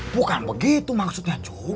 bukan begitu maksudnya cu